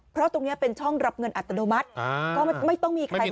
เพราะตรงนี้เป็นช่องรับเงินอัตโนมัติก็ไม่ต้องมีใคร